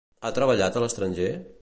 Ha treballat a l'estranger?